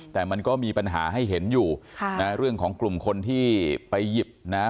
แต่มันก็มีปัญหาให้เห็นอยู่ค่ะนะเรื่องของกลุ่มคนที่ไปหยิบนะ